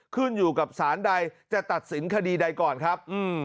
ขึ้นอยู่กับสารใดจะตัดสินคดีใดก่อนครับ